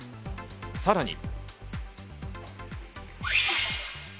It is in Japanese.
さらに。